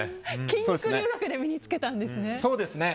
筋肉留学で身に付けたんですね。